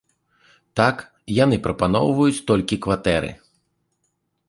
Так, яны прапаноўваюць толькі кватэры.